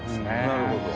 なるほど。